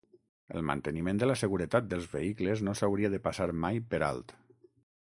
El manteniment de la seguretat dels vehicles no s'hauria de passar mai per alt.